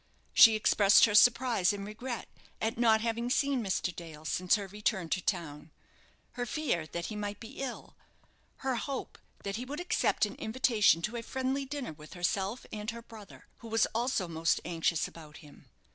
She expressed her surprise and regret at not having seen Mr. Dale since her return to town her fear that he might be ill, her hope that he would accept an invitation to a friendly dinner with herself and her brother, who was also most anxious about him.